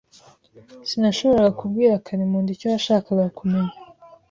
Sinashoboraga kubwira Karimunda icyo yashakaga kumenya.